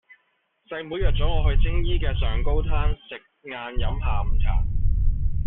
細妹約左我去青衣嘅上高灘街食晏飲下午茶